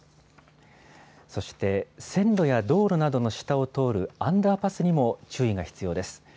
そして線路や道路などの下を通るアンダーパスにも注意が必要です。